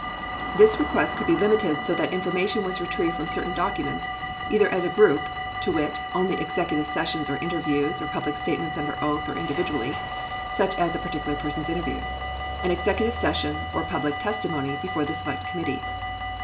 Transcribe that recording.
This request could be limited so that information was retrieved from certain documents, either as a group — to wit, only executive sessions or interviews or public statements under oath or individually, such as a particular person's interview — an executive session, or public testimony before the Select Committee.